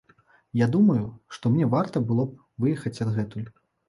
Я думаю, што мне варта было б выехаць адгэтуль.